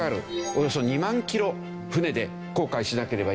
およそ２万キロ船で航海しなければいけない。